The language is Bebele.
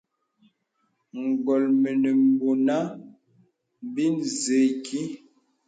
Ngól mə nə bônə bì nzə īkí.